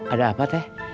ada apa teh